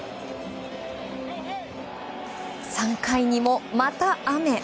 ３回にも、また雨。